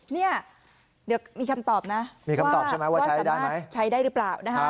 เดี๋ยวมีคำตอบนะว่าสามารถใช้ได้หรือเปล่า